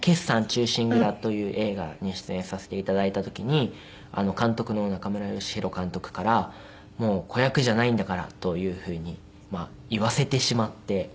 忠臣蔵』という映画に出演させて頂いた時に監督の中村義洋監督から「もう子役じゃないんだから」というふうに言わせてしまって。